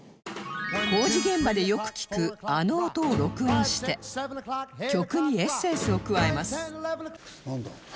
工事現場でよく聞くあの音を録音して曲にエッセンスを加えますなんだ？